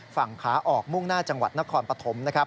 ฝั่งขาออกมุ่งหน้าจังหวัดนครปฐมนะครับ